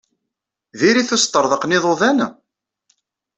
Diri-t usṭerḍeq n yiḍudan?